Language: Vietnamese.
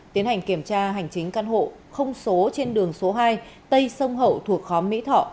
tiến hành kiểm tra hành chính căn hộ không số trên đường số hai tây sông hậu thuộc khóm mỹ thọ